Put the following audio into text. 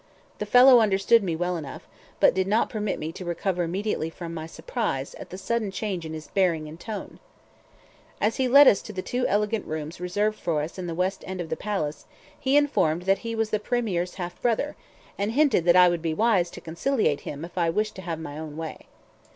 The fellow understood me well enough, but did not permit me to recover immediately from my surprise at the sudden change in his bearing and tone. As he led us to the two elegant rooms reserved for us in the west end of the palace, he informed us that he was the Premier's half brother, and hinted that I would be wise to conciliate him if I wished to have my own way.